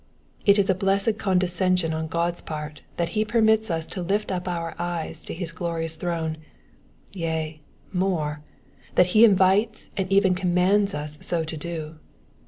It is a blessed condescension on God^s part that he permits us to lift up our eyes to his glorious high throne ; yea, more, that he invites and even commands us so to do.